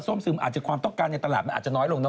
ซึมอาจจะความต้องการในตลาดมันอาจจะน้อยลงเน